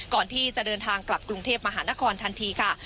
ก่อนที่จะเดินทางกลับกรุงเทพมหานครทันทีค่ะ